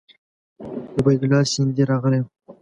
عبیدالله سیندهی راغلی وو.